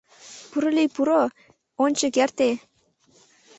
Порылий, пурО, ончык эртЕ!